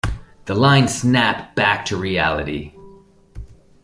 The line Snap back to reality.